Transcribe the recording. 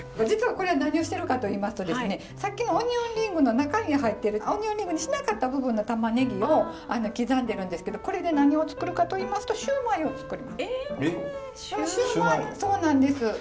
実はこれ何をしてるかといいますとですねさっきのオニオンリングの中に入ってるオニオンリングにしなかった部分の玉ねぎを刻んでるんですけどこれで何を作るかといいますとシューマイを作ります。